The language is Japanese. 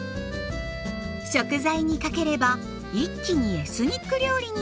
食材にかければ一気にエスニック料理になります。